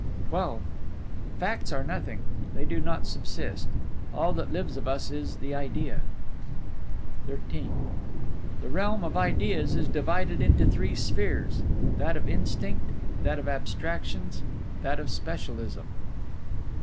XII Facts are nothing; they do not subsist; all that lives of us is the Idea. XIII The realm of Ideas is divided into three spheres: that of Instinct, that of Abstractions, that of Specialism.